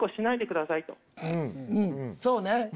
そうね。